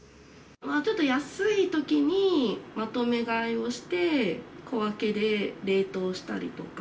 ちょっと安いときに、まとめ買いをして、小分けで冷凍したりとか。